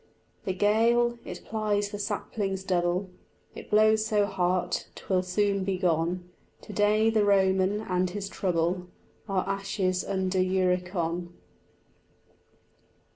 The gale, it plies the saplings double, It blows so hard, 'twill soon be gone: To day the Roman and his trouble Are ashes under Uricon.